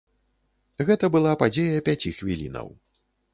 Гэта была падзея пяці хвілінаў.